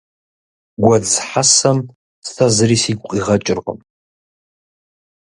Гуэдз хьэсэм сэ зыри сигу къигъэкӀыркъым.